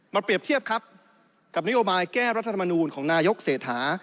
เปรียบเทียบครับกับนโยบายแก้รัฐธรรมนูลของนายกเศรษฐา